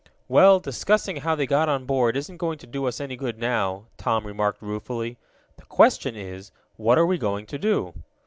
"Well, discussing how they got on board isn't going to do us any good now," Tom remarked ruefully. "The question is what are we going to do?"